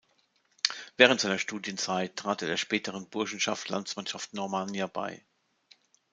Während seiner Studienzeit trat er der späteren Burschenschaft "Landsmannschaft Normannia" bei.